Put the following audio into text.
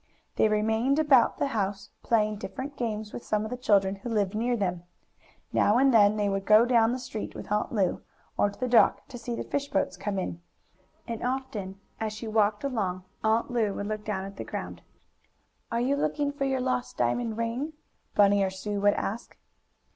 They remained about the house, playing different games with some of the children who lived near them. Now and then they would go down the street with Aunt Lu, or to the dock, to see the fish boats come in. And, often, as she walked along, Aunt Lu would look down at the ground. "Are you looking for your lost diamond ring?" Bunny or Sue would ask.